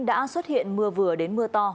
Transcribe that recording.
đã xuất hiện mưa vừa đến mưa to